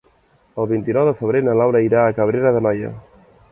El vint-i-nou de febrer na Laura irà a Cabrera d'Anoia.